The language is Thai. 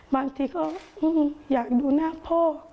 บางทีก็อยากดูหน้าพ่อ